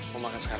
mau makan sekarang